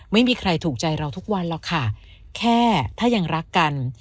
ไม่มีใครถูกใจเราทุกวันหรอกค่ะแค่ถ้ายังรักกัน